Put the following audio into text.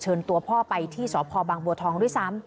เชิญตัวพ่อไปที่สพบางบัวทองด้วยซ้ำ